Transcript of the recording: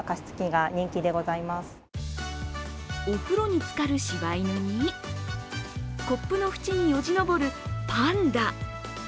お風呂につかる柴犬にコップの縁によじ登るパンダ。